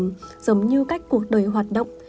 giống như cách cuộc đời hoạt động